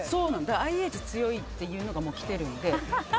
ＩＨが強いというのが来てるので。